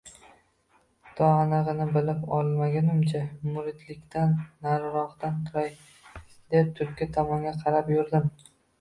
To anig‘ini bilib olmagunimcha muridlikdan nariroqda turay deb, tulki tomonga qarab yurdim